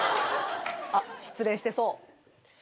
あっ失恋してそう。